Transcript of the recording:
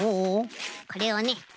これをね